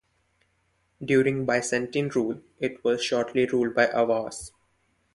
During Byzantine rule, it was shortly ruled by Avars.